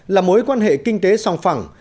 là mối quan hệ kinh tế song phẳng